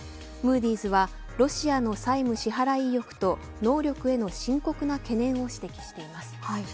ムーディーズはロシアの債務支払い意欲と能力への深刻な懸念を指摘しています。